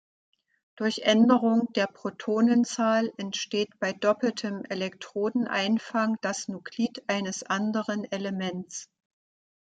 Durch Änderung der Protonenzahl entsteht bei doppeltem Elektroneneinfang das Nuklid eines anderen Elements.